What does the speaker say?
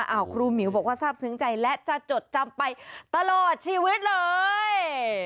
ครูหมิวบอกว่าทราบซึ้งใจและจะจดจำไปตลอดชีวิตเลย